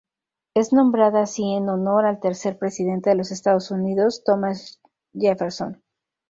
Es nombrada así en honor al tercer presidente de los Estados Unidos, Thomas Jefferson.